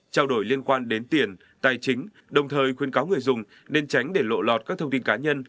trao đổi liên quan đến tiền tài chính đồng thời khuyên cáo người dùng nên tránh để lộ lọt các thông tin cá nhân